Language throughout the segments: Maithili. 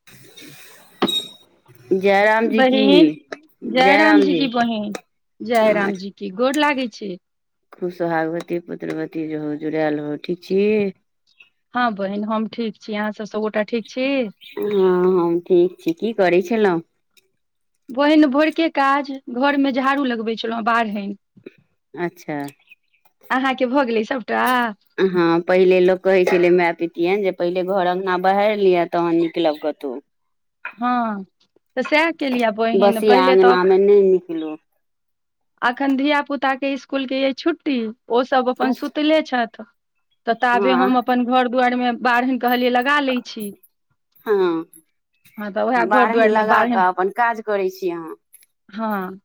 [inaudible] जयराम जी बहिन की जय राम जयराम जी की बहिन जय राम जी की गोर लागै छी खुब सुहागवती पुत्र्रवती रहु जुड़ैल रहु ठीक छी हँ बहिन हम ठीक छी अहाँ सब सबगोटा ठीक छी हँ हम ठीक छी की करै छलहुँ बहिन भोरकेँ काज घरमे झाड़ू लगबैत छलहुँ बारहैन अच्छऽ अहाँ केँ भऽ गेलै सबटा हँ पहिले लोक कहै छले माय पितियन जे पहिले घर अंगना बहाइर लिअ तहन निकलब कतहु हँ तऽ सैह केलिए बहिन पहिले तऽ नय निकलू एखैन धिया पुता केँ इसकुल केँ यइ छुट्टी ओसभ अपन अच्छा सुतले छैथ तऽ ताबे हँ हम अपन घर दुआरिमे बारहैन कहलियै लगा लै छी हँ हँ तऽ उएह घर बारहैन दुआरि मे लगा बारहैन कऽ अपन काज करै छी अहाँ हँ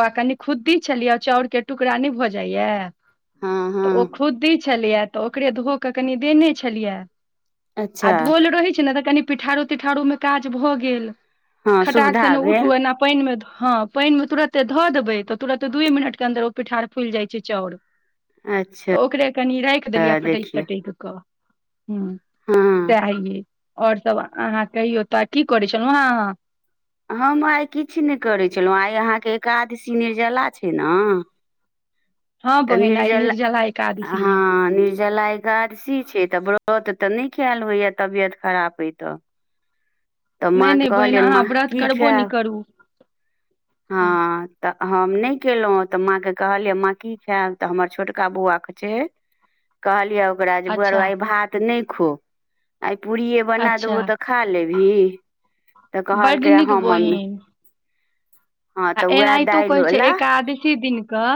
ओहै कनी खुद्दी छलियै चाउर केँ टुकड़ा नय भऽ जाइ यऽ हँ तऽ ओ हँ खुदि छलिय तऽ ओकरे धो कऽ कनि देने छलियै आ अच्छा धोल रहै छै नऽ तऽ कनि पिठारो तिठारो मे काज भऽ गेल हँ खटाक सुविधा सेने उठू भेल एना पाइन मे हँ पाइन मे तुरत धऽ देबै तऽ तुरते दूए मिनट केँ अन्दर ओ पिठार फुलिइ छै चाउर अच्छा तऽ ओकरे कनि राइख देलियै फटैक देखियौ तटैक कऽ दुँ हँ सैह ई हइ आओर सब अहाँ कहियौ तऽ की करै छलहुँ आहाँ हम आइ किछ नय करै छलहुँ आइ अहाँकेँ एकादशी निर्जला छै नऽ हँ तऽ बहिन आइ निर्जल निर्जला एकादशी ये हँ निर्जला एक कादशी छै तऽ व्रत तऽ नय कैल होइ य तबियत खराब एय तऽ तऽ माँ नहि नहि केँ बहिन कहलियैन अहाँ माँ व्रत की करबो नहि खैब करू हँ तऽ हम नय केलहुँ तऽ माँ कऽ कहलियै माँ की जैब तऽ हमर छोटका बौआ कऽ छै हे [inaudible] कहलियै ओकरा जे आ अच्छा आइ भात नय खो आइ पूड़िये बना अच्छा देबो तऽ खा लेबही तऽ बड्ड कहलकै नीक हँ मम्मी बहिन हँ आ तऽ उएह एनाहितो दालि कहै छै वला एकादशी दिन कऽ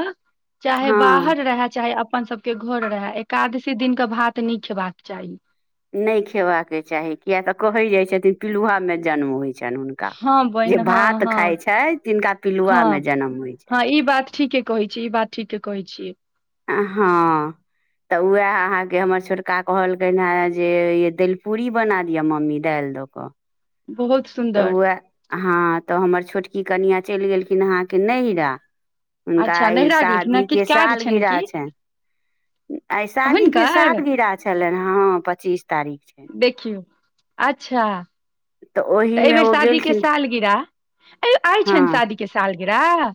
चाहे हँ बाहर रहे चाहे अपन सब कऽ घर रहे एकादशी दिन कऽ भात नय खेबाक चाही नय खेबाकेँ चाही किय तऽ कहै जाइत छथिन पिलूआ मे जन्म होइ छैन हुन -का हँ जे बहिन हँ भात हँ खााय छै तिनका पिलुआ हँ मे जनम होइ छैन हँ ई बात ठीके ह कहै छी ई बात ठीके कहै छिय हँ तऽ उह अहाँ के हमर छोटका कहलकिन हे जे दलि पूड़ी बना दिअ मम्मी दालि द कऽ बहुत तऽ सुन्दर हएह हँ तऽ हमर छोटकी कनियाँ चलि गेलखिन अहाँके नहिरा हुनका अच्छा ई नैहरा गेलखिन हँ शादी किछु के काज छनि की सालगिरा छनि आइ शादी के हुनकर साद गिराह छलनि हँ पच्चीस तारीख छै देखियौ अच्छा तऽ ओहिमे एहिबेर ओ शादीके गेलखिन सालगिराह आइ छनि हँ शादीके सालगिराह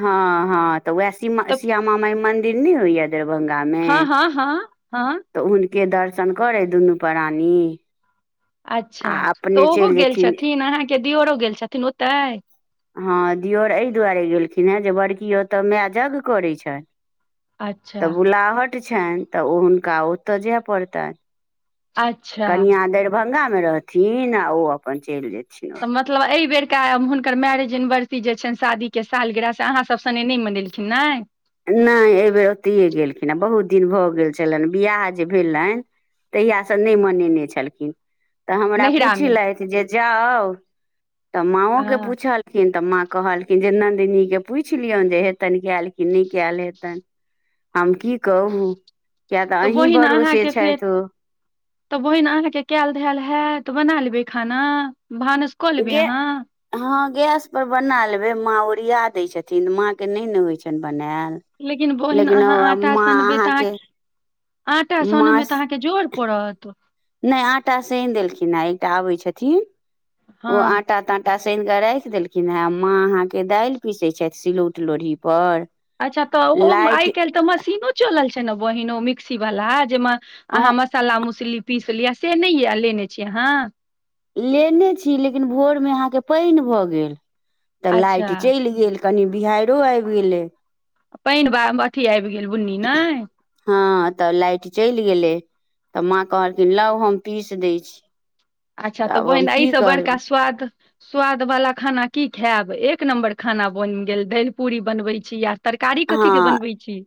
हँ हँ तऽ वएह श्यामा माई मंदिर नय होइया दरभंगा मे हँ हँ हँ हँ तऽ हुनके दर्शन करे दुनू प्राणी आ अच्छा तऽ अपने ओहो चलि गेल जेथिन छथिन अहाँके दियोरो गेल छथिन ओतै हँ दियोर एहि दुआरे गेलखिन हेँ जे बड़की ओतय माय जग्ञ करैत छै तऽ अच्छा बुलाहट छनि तऽ ओ हुनका ओतय जाय पड़तनि अच्छा कनिआँ दरभंगा मे रहथिन आ ओ अपन चलि जेथिन सम मतलब एहि बेरका हुनकर मैरेज एनिवर्सरी जे छनि शादीके साल गिह से अहाँसभ सनेे नय मनेलखिन नय नय एहि बेेर ओतहिए गेलखिन आ बहुत दिन भऽ गेल छलनि वियाह जे भेलनि तहियासँ नय मनेने छलखिन तऽ हमरा नैहरामे पूछलथि जे जाउ तऽ माँओ के हँ पूछल न तऽ माँ कहलखिन जे नन्दिनी के पुछि लियोन जे हेतनि गेल कि नय कैल हेतनि हम की कहू किया तऽ अहीं ओहि ने भरोसे अहाँके फेर छथि ओ तऽ बहिन अहाँके कैल धैल हैत बना लेबै खाना भानस कऽ लेबै गे अहाँ हँ गैसपर बना लेबै माँ ओरिया दैत छथिन माँके नय ने होइ छनि बनैयल लेकिन बहिन लेकिन अहाँ ओ आटा माँ सनबै तऽ अहाँके आटा सनो माँ मे तऽ अहाँके जोर पड़त नहि आटा सेनि देलखिन ह एकटा आबै छथिन ओ हँ आटा ताटा आटा सान कऽ राखि देलखिन हेँ माँ अहाँके दालि पिसैत छथि सिलौट लोढ़ीपर अच्छा तऽ ओ आइ काल्हि तऽ मशीनो चलल छै ने बहिन ओ मिक्सी वालला जाहिमे अ अहाँ मशी मसाला मसली पीस लिअ से नय ये लेने छी अहाँ लेने छी लेकिन भोर मे अहाँके पानि भऽ गेल तऽ लाइट अच्छा चलि गेल कनि बिहारो आबि गेलै पैन बा अथी आबि गेल बुन्नी नय हँ तऽ लाइट चलि गेलै तऽ माँ कहलखिन लौ हम पीस दै छी अच्छा तऽ आब बहिन हम अई की से बड़का करबै स्वाद स्वाद बाला खाना की खायब एक नम्बर खाना बनि गेल दालि पूरी बनबै छी या तरकारी कथी हँ के बनबै छी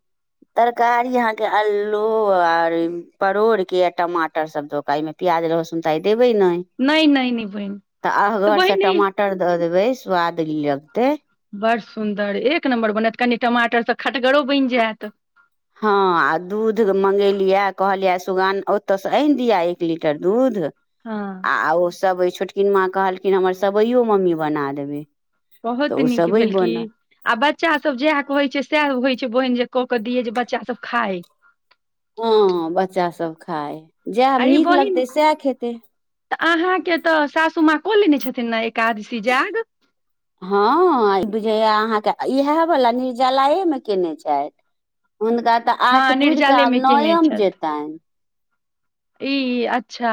तरकारी अहाँ के अलू आर परोड़ के आ टमाटर सब धोका मे प्याज लहसुन तऽ आइ देबै ने नय नय नय बहिन तऽ बहिन ई मटर द देबै स्वादली लगते बड़ सुन्दर एक नम्बर बनत कनि टमाटरसँ खटगरो बनि जायत हँ आ दूध मंगेलियै कहलियै सुगान ओतयसँ आनि दियअ एक लीटर दूध हँ आ ओ सबइ छोटकिनमा कहलखिन हमर सबइयो मम्मी बना देबै तऽ बहोत ओ नीक सबइ भेल की बनल आ बच्चा सब जएह कहोइ छै सएह होइ छै बोहिन जे क के दिये जे बच्चा सब खाय हँ बच्चा सब खाय जएह अरे नीक बहिन लगते सएह खेतै तऽ अहाँके तऽ सासु माँ कऽ लेने छथिन ने एकादशी जाग हँ ई बुझैय अहाँके इएहवला निर्जलायएमे केने छथि हुनका तऽ हँ आठ पुर कऽ निर्जाले आब मे केने नएम छथि जेतैन ई अच्छा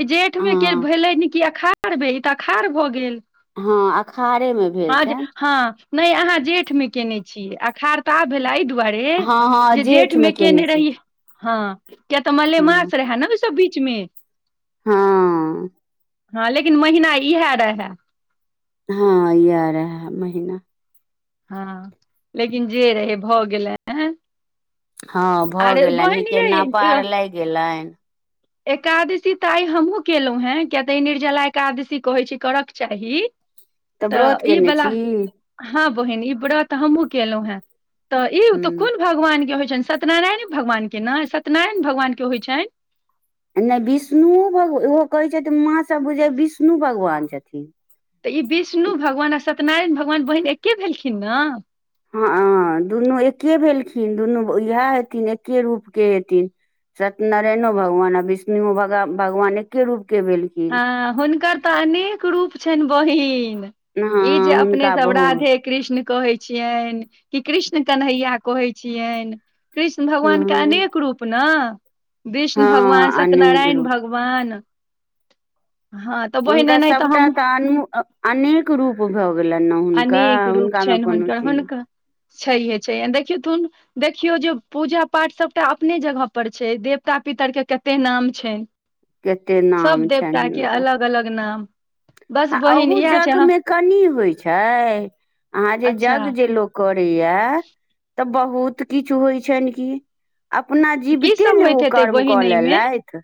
ई जेठ मे के हँ भेलेन ई अखाढ़ भेल ई तऽ अखाढ़ भऽ गेल हँ अखाड़े मे भेल छनि हँ नहि अहाँ जेठ में केने छीय अखाड़ तऽ आब भेला एहि दुआरे है जे जेठ मे केने रहि हँ किया तऽ हँ मलेमास रहै ने ओ सब बीचमे हँ हँ लेकिन महीना इहे रहै हँ ईयाह रहे महीना हँ लेकिन जे रहे भऽ गेलैन हँ भऽ गेलन बहिन नीके ना यै पार लागि गेलनि एकादशी तऽ आइ हमहुँ केलहुँ हें किया तऽ ई निर्जला एकादशी कहे छै करक चाही व्रत तऽ ई केने बला छी हँ बहिन ई बरत हमहुँ केलहुँ हेँ तऽ ई तऽ ह कोन भग भगवान के होइ छनि सत्यनारायण भगवान के ने सत्यनारायण भगवान के होइ छनि नहि विष्णुओ हो भग ओहो कहैत छथिन माँसभ बुझै विष्णु भगवान छथिन तऽ ई विष्णु भगवान आ सत्यनारायण भगवान बहिन एके भेलखिन नऽ हँ दुनू एके भेलखिन दुनू इएह हेथिन एके रूपके हेथिन सत्य नारायणो भगवान आ विष्णुग भगवान एके रूप के भेल हँ हुनकर तऽ अनेक रूप छैन बहिन हँ ई जे अपने हुनका सब बहुत राधे कृष्ण कहै छियैन कि कृष्ण कन्हैया कहै छियैन कृष्ण भगवानके हँ अनेक रूप नऽ विष्णु भगवान हँ अनेक सत्यनारायण रूप भगवान भगवान हँ तऽ बहिन हुनका एनाहिते सभटा हम तऽ अनु अनेक रूप भऽ गेलैन नऽ हुनका अनेक तामे कनहु चीज छहये छहये अ देखथुन देखियौ जे पूजा पाठ सभटा अपने जगह पर छै देवता पितरके कते नाम छनि केते सब नाम छनि देवता के हुनका अलग अलग नाम बस बहिन अहु इएह छै जज्ञ अहाँ मे कनि होइ छै अहाँ जे अच्छा जज्ञ जे लोक करैया तऽ बहुत किछु होइ छनि की अपना तऽ की जीबिते सब ने होइत ओ हेतै कर्म बहिन कऽ एहिमे लेलथि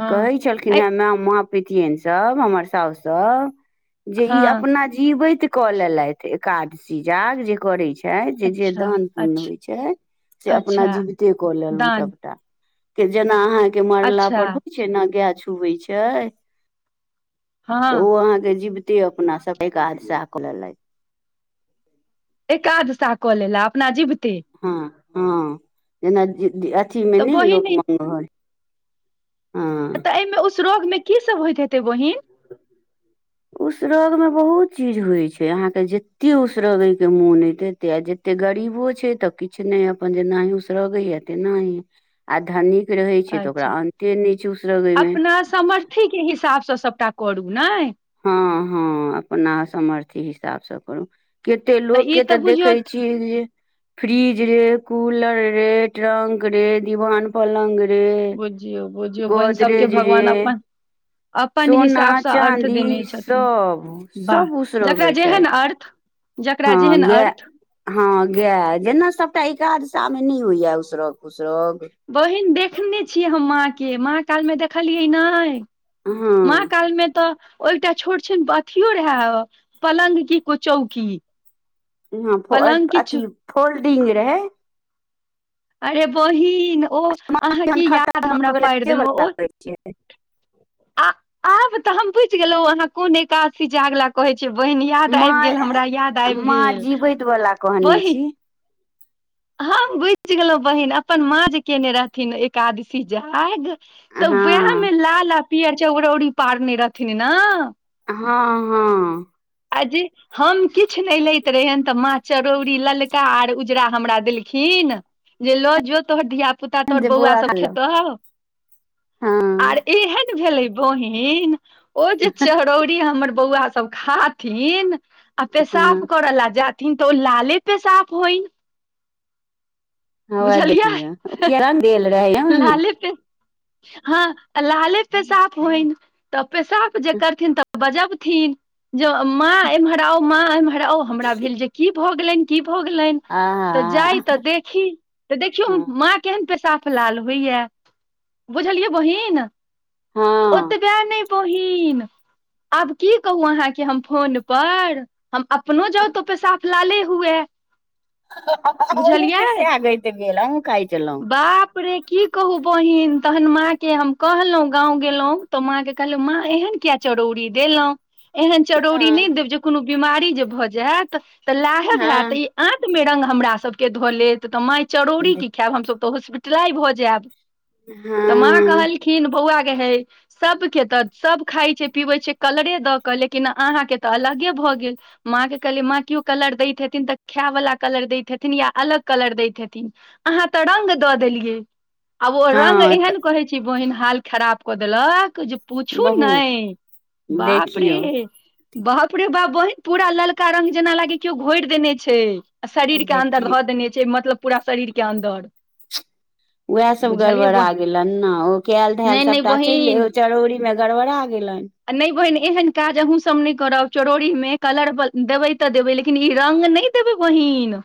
हँ कहै छलख ऐ माँ पतिियन सब हमर साउ सब जे ई हँ अपना जीवैत कऽ लेलथि एकादशी जाग जे करे छै छै जे जे अच्छा दान पुण्य अच्छा होइ छै से अपना अच्छा जीवते कऽ लेलहुँ दान सभटा के जेना आहाँ के मरला अच्छा पर होइ छै ने गाय छुवै छै हँ तऽ ओ अहाँ के जीवते अपना सबके एकादशा कऽ ललेत एकाघसा कऽ लेला अपना जिबते हँ हँ जेना अथी मे तऽ नहि बहिन लोक ई- मगल तऽ एहिमे उस रोग मे की सब होइत हेतै बहिन उसर्गमे बहुत चीज होइत छै अहाँके जतेक उसर्गयके मोन अयत एतेक आ जतेक एते गरीबो छै तऽ किछु नहि अपन जेनाोस लगे या तेनाह आ धन रहे छै तऽ ओकरा अनते नहि छै उसरगे में से समर्थ अथी के हिसाबसँ सभटा करू ने हँ हँ अपनासमर्थ्य हिसाबसँ करू कते लोक के तऽ देखै छीियै जे फ्रीज रे कूलर रे ट्रंक रे दिवान पलङ् रे बुझियौ बुझियौ बहिन सभके गोदरेज रे भगवान अपन अपन सोना हिसाबसँ अर्थ देने चाँदी ी छथिन सब वाह सब जकरा उसरगे जेहन छथि अर्थ जकरा हँ जेहन गाय अर्थ हँ गाय जेना सबटा एकादशा मे नहि होइया उसरग पूसरग बहिन देखने छियै हम माँके माँ कालमे देखलियै ने हँ माँ काल में तऽ ओ एकटा छोट छिन अथियो रहै पलङ्ग की कु चौकी हँ पलङ्ग किछु अथी फोल्डिंग रहै अरे बहिन ओ अहाँ जहन कऽ याद खतम भऽ हमरा गेलै पारि से देल वला ओ करै छियै आ आब तऽ हम बुझ गेलहु अहाँ कोन एकादशी जागला कहै छियै बहिन याद आबि माँ गेल हमरा याद आबि माँ गेल जीवैत वला कहने बहि छी ह बुझि गेलहुं बहिन अपन माँ जे केने रहथिन एकादशी जाग हँ तऽ उएहमे लाल आ पिियर चराौरीी पारने रहथिन नऽ हँ हँ आ जे हम किछु नहि लैत रहेयन तऽ माँ चरौरी ललका आर उजरा हमरा देलखिन जे लऽ जो तोहर धियिया पुता तोहर जे बौआ सब खा लेब खेतहु आर हँ एहन भेलै बहिन ओ जे च रौड़ी हमर बौआ सब खाथिन आ पेेशफ हँ करऽ लए जाथि थिन तऽ ओ लाले पेसाफ होइ हौवा बुझलिया देखियौ किया रंग देल रहै ने ओहिमे लाले पे हँ आ् लाले पेशाब होइ तऽ पेशाब जे करथिन तऽ बजबथिन जे माँ एम्हराउ माँ एम्हराउ हमरा भेल जे की भऽ गेलनि की भऽ गेलनि तऽ जाइ आहा तऽ देख तऽ देखियौ हँ माँ केहन पेशाफ लाल होइया बुझलियै बहिन ओतबयऽ नहि बोहिन आब की कहू अहाँके हम फोन पर हम अपनो जाउ तो पेशफ लाले हुए आहू के बुझलियै सेह गेत गेल आहू खाय छलू बाप रे की कहू बहिन तहन माँ के हम कहलहुं गाँंव गेलहुं तो माँ के कहल माँ एहन किया चरौड़ी देलहुँ एहन चरौड़री नहि हँ देब जे कोनो बिीमारी जे भऽ जायत तऽ लाहब होयत हँ ई आँत में रंग हमरा सबके धऽ लेत तऽ माइ चरौरी की खैब हमसभ तऽ हॉस्पिटला भऽ जैब। तऽ माँ हँ कहलखिन बौआ गेहे। सबके तऽ सब खाइ छै पीबै छै कलरे दऽ क लेकिन अहाँके तऽ अलगे भऽ गेल। माँ के कहली माँ क्यो कलर दैत हेथिन तऽ खैय बला कलर दैत हेथिन या अलग। कलर जैत हेथिन अहाँ तो रंग द देलिये ओ रंग हँ तऽ हैं कहें छी बहिन हाल खराब कऽ देलक जे पूछू बहुत नय बाप देखियौ रे बाप रे बाप बहिन पूरा ललका रंग जेना लागे केओ घोरि देने छै शरीर के अन्दर देखियौ धऽ देने छै मतलब पूरा शरीर के अन्दर उहै सभ बुझलियै गड़बड़ा बहिन गेला ना ओ कैल धैल नहि नहि सभटा चैल एय बहिन ओ चिरौरी मे गड़बड़ा गेलन। नै बहिन एहन काज अहुं सब नै करब चरौरी मे कलर ब देबै तऽ देबै लेकिन ई रंग नै। देबे बहिन।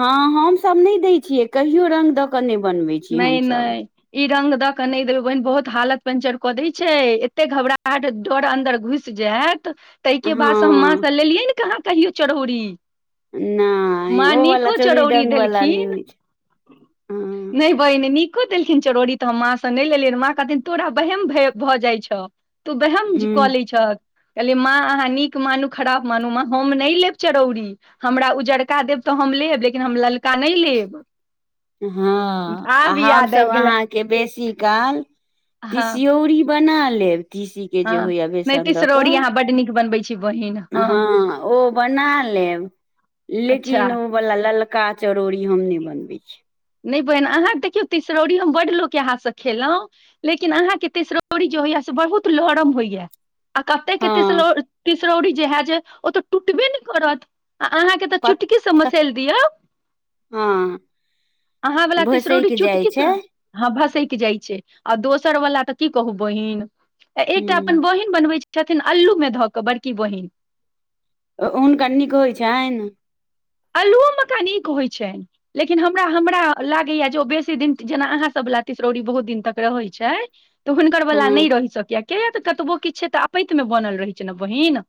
हाॅं हम सब नय दय छियै कहियो रंग द क नर बनबै। छियै नय हमसभ नय ई रंग द क नै देल बहिन बहुत हालत पेंचर क देय छै एते घबराट डर अन्दर घुइस। से जैत ताइके हँ बाद स हम माँ सँ लेलियै ने कहाँ कहियौ चरौरी। नहि माँ ओ वाला निको चोरी चिरौरी रंग वाला नहि देलखिन। होइ छै हँ नय बहिन निको देलखिन चिरौरी तऽ हम माँसँ नै लेलियै माँ कहथिन तोरा बेहेम भे भऽ जाइछौ। तु बेहेम ज कलै हूँ छ। कहलियै माँ अहाँ निक मानु खराब मानू माँ हम नय लेब चरौरी। हमरा उजरका देब तऽ हम लेब लेकिन हम ललका नय लेब। हाॅं आ आब याद हमसब आबि गेलै अहाँके बेसी काल हँ तिसयोरी। बना लेब तिसी के जे हँ होइया नहि बेसन द क। तिसरौरी अहाँ बड्ड निक बनबै छै बहिन। हँ हाॅं ओ बना लेब अच्छा लेकिन उ। बला ललका चरौरी हम नय बनबे छी। नय बहिन अहाँ देखियौ तिसरौरी हम बड्ड लोक के हाथ सॅं खेलौं। लेकिन अहाँके तिसरौरी जे होइया से बहुत लरम होइया। आ कते के हँ तिसरौ तीसरौरी जे है जे ओ तऽ टुटबे ने करत। आ अहाँके तऽ चुटकीसँ मसैल दियौ। हाॅं। अहाँ बला तिसरौरी चुटकी छै सॅं। हाॅं भसैक जाइ छै आ दोसर वला तऽ की कहु बहिन आ ह एकटा अपन बहिन। बनबै छथिन अलु मे धऽ कऽ बड़की बहिन। ओ ऊनका निक होइ छैन। अल्लुओ मेका निक होइ छनि। लेकिन हमरा हमरा लागैया जो बेसी दिन जेना अहाँ सबला तिसरौरी बहुत दिन तक रहै छै। तऽ हुनकर बला हँ नै रहि सॅं कैय किया तऽ कतबो किछ छै तऽ अपैत मे बनल रहै छै ना बहिन।